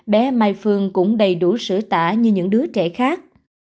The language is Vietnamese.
bé mai phương cũng đầy đủ sữa tả như những đứa trẻ khác